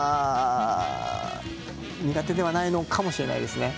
苦手ではないのかもしれないですね。